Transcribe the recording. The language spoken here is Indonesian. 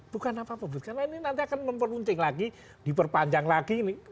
bukan apa publik karena ini nanti akan memperuncing lagi diperpanjang lagi